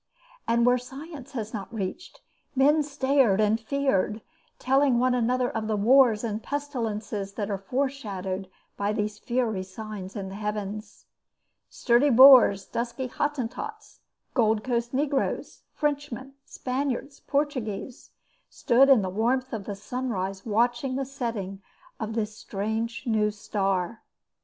And where science has not reached, men stared and feared, telling one another of the wars and pestilences that are foreshadowed by these fiery signs in the Heavens. Sturdy Boers, dusky Hottentots, Gold Coast negroes, Frenchmen, Spaniards, Portuguese, stood in the warmth of the sunrise watching the setting of this strange new star.